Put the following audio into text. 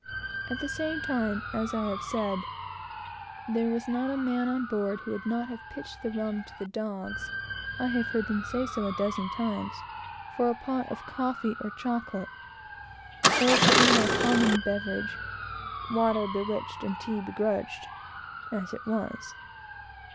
At the same time, as I have stated, there was not a man on board who would not have pitched the rum to the dogs, (I have heard them say so, a dozen times) for a pot of coffee or chocolate; or even for our common beverage "water bewitched, and tea begrudged," as it was.